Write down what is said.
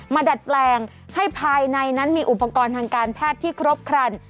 ดัดแปลงให้ภายในนั้นมีอุปกรณ์ทางการแพทย์ที่ครบครัน